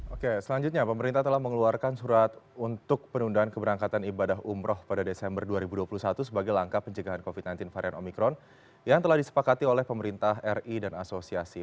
oke selanjutnya pemerintah telah mengeluarkan surat untuk penundaan keberangkatan ibadah umroh pada desember dua ribu dua puluh satu sebagai langkah pencegahan covid sembilan belas varian omikron yang telah disepakati oleh pemerintah ri dan asosiasi